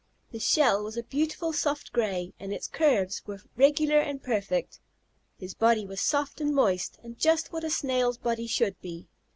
His shell was a beautiful soft gray, and its curves were regular and perfect. His body was soft and moist, and just what a Snail's body should be.